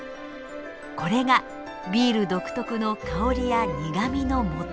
これがビール独特の香りや苦みのもと。